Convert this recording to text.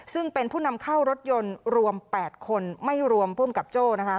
ซึ่งเป็นผู้นำเข้ารถยนต์รวม๘คนไม่รวมภูมิกับโจ้นะคะ